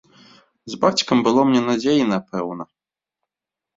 З бацькам было мне надзейна, пэўна.